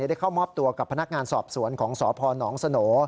ได้เข้ามอบตัวกับพนักงานสอบสวนของสพนสโหน